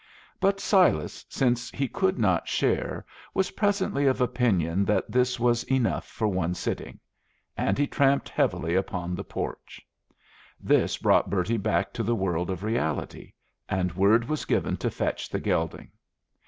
But Silas, since he could not share, was presently of opinion that this was enough for one sitting, and he tramped heavily upon the porch. This brought Bertie back to the world of reality, and word was given to fetch the gelding.